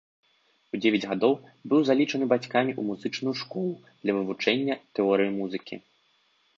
У дзевяць гадоў быў залічаны бацькамі ў музычную школу для вывучэння тэорыі музыкі.